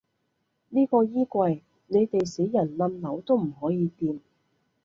呢個衣櫃，你哋死人冧樓都唔可以掟